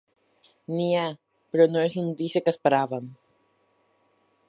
N'hi ha. Però no és la notícia que esperàvem.